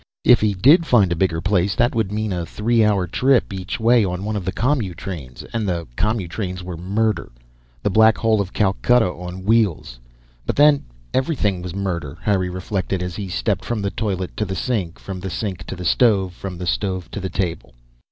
If he did find a bigger place, that would mean a three hour trip each way on one of the commutrains, and the commutrains were murder. The Black Hole of Calcutta, on wheels. But then, everything was murder, Harry reflected, as he stepped from the toilet to the sink, from the sink to the stove, from the stove to the table.